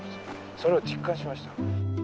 それを実感しました。